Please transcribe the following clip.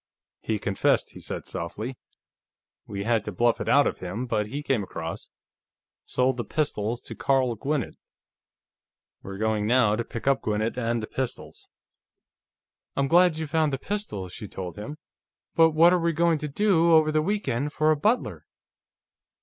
"He confessed," he said softly. "We had to bluff it out of him, but he came across. Sold the pistols to Carl Gwinnett. We're going, now, to pick up Gwinnett and the pistols." "I'm glad you found the pistols," she told him. "But what're we going to do, over the week end, for a butler...."